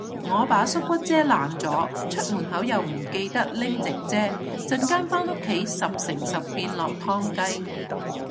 我把縮骨遮爛咗，出門口又唔記得拎直遮，陣間返屋企十成十變落湯雞